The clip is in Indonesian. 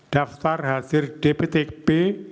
daftar hadir dpt b